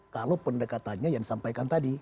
kalau pendekatannya yang disampaikan tadi